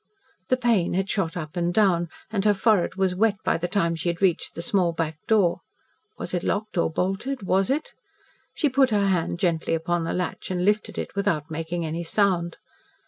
The pain had shot up and down, and her forehead was wet by the time she had reached the small back door. Was it locked or bolted was it? She put her hand gently upon the latch and lifted it without making any sound.